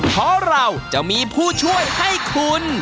เพราะเราจะมีผู้ช่วยให้คุณ